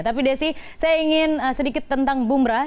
tapi desi saya ingin sedikit tentang bumrah